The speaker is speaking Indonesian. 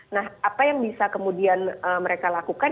nah apa yang bisa kemudian mereka lakukan